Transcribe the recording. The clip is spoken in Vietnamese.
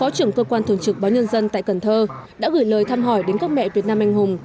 trưởng cơ quan thường trực báo nhân dân tại cần thơ đã gửi lời thăm hỏi đến các mẹ việt nam anh hùng